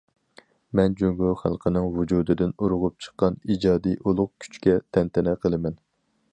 مەن جۇڭگو خەلقىنىڭ ۋۇجۇدىدىن ئۇرغۇپ چىققان ئىجادىي ئۇلۇغ كۈچكە تەنتەنە قىلىمەن.